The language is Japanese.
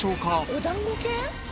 お団子系？